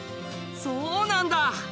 そうなんだ。